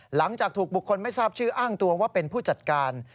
หลังจากถูกบุคคลไม่ทราบชื่ออ้างตัวว่าเป็นผู้จัดการ